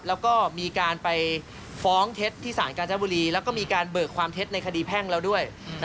แล้วก็มีการไปฟ้องเท็จที่สารกาญจนบุรีแล้วก็มีการเบิกความเท็จในคดีแพ่งแล้วด้วย